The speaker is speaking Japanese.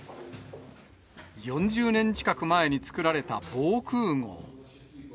４０年近く前に作られた防空ごう。